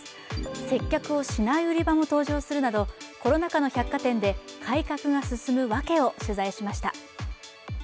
接客をしない売り場も登場するなどコロナ禍の百貨店で改革が進むワケを取材しました。